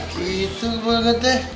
gitu banget deh